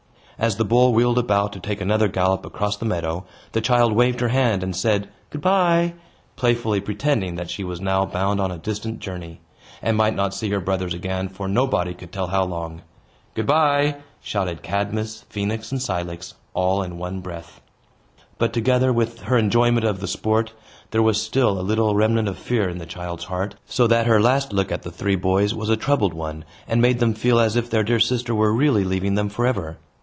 As the bull wheeled about to take another gallop across the meadow, the child waved her hand, and said, "Good bye," playfully pretending that she was now bound on a distant journey, and might not see her brothers again for nobody could tell how long. "Good bye," shouted Cadmus, Phoenix, and Cilix, all in one breath. But, together with her enjoyment of the sport, there was still a little remnant of fear in the child's heart; so that her last look at the three boys was a troubled one, and made them feel as if their dear sister were really leaving them forever.